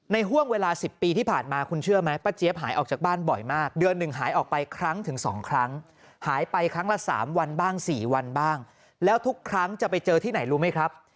ห่วงเวลา๑๐ปีที่ผ่านมาคุณเชื่อไหมป้าเจี๊ยบหายออกจากบ้านบ่อยมากเดือนหนึ่งหายออกไปครั้งถึง๒ครั้งหายไปครั้งละ๓วันบ้าง๔วันบ้างแล้วทุกครั้งจะไปเจอที่ไหนรู้ไหมครับ